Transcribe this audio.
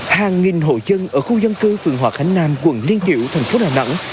hàng nghìn hộ dân ở khu dân cư phường hòa khánh nam quận liên triểu thành phố đà nẵng